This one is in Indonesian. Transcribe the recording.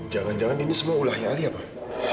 jangan jangan ini semua ulahnya ali pak